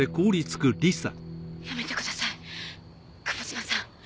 やめてください久保島さん。